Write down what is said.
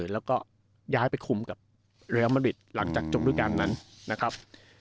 แล้วก็ย้ายไปคุมกับเรียลมาริดหลังจากจบรูปการณ์นั้นนะครับ